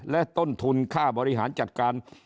และต้นทุนค่าบริหารจัดการ